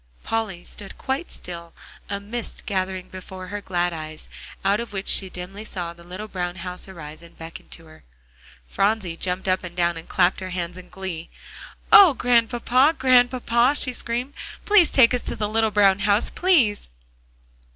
Polly stood quite still, a mist gathering before her glad eyes, out of which she dimly saw the little brown house arise and beckon to her. Phronsie jumped up and down and clapped her hands in glee. "Oh, Grandpapa, Grandpapa!" she screamed, "please take us to the little brown house, please!"